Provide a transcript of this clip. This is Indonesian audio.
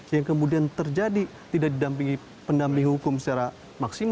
yang kemudian terjadi tidak didampingi pendamping hukum secara maksimal